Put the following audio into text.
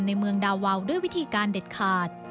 ในเมืองดาวาวด้วยวิธีการเด็ดขาด